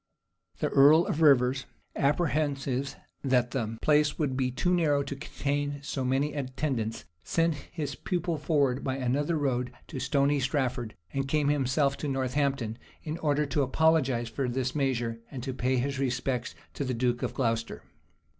The earl of Rivers, apprehensive that the place would be too narrow to contain so many attendants, sent his pupil forward by another road to Stony Stratford; and came himself to Northampton, in order to apologize for this measure, and to pay his respects to the duke of Glocester.